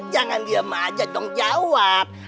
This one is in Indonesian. jangan diem aja dong jawab